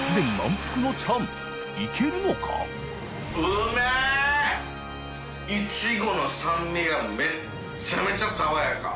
淵船礇鵝イチゴの酸味がめっちゃめちゃ爽やか。